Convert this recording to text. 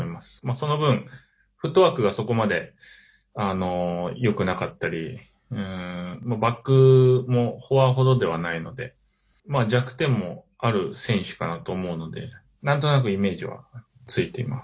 その分、フットワークがそこまでよくなかったりバックもフォアほどではないので弱点もある選手かなと思うのでなんとなくイメージはついてます。